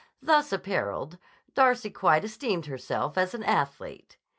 Thus appareled, Darcy quite esteemed herself as an athlete.